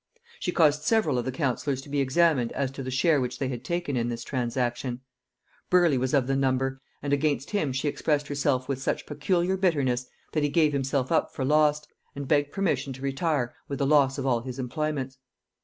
She caused several of the councillors to be examined as to the share which they had taken in this transaction. Burleigh was of the number; and against him she expressed herself with such peculiar bitterness that he gave himself up for lost, and begged permission to retire with the loss of all his employments.